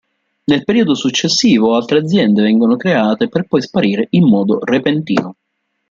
Nel periodo successivo altre aziende vengono create per poi sparire in modo repentino.